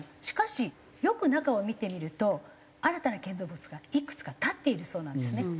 しかしよく中を見てみると新たな建造物がいくつか建っているそうなんですね。